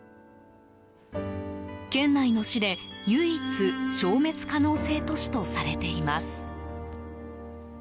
県内の市で、唯一消滅可能性都市とされています。